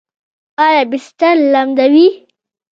ایا بستر لمدوي؟